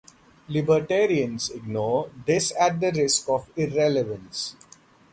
Libertarians ignore this at the risk of irrelevance.